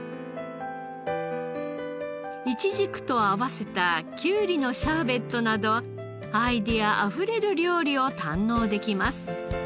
イチジクと合わせたきゅうりのシャーベットなどアイデアあふれる料理を堪能できます。